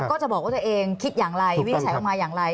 ก็จะบอกว่าตัวเองคิดอย่างไรวินิจฉัยออกมาอย่างไร